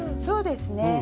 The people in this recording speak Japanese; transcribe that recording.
そうですね。